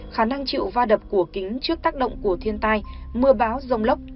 khả năng chịu va đập của kính trước tác động của thiên tai mưa báo dông lốc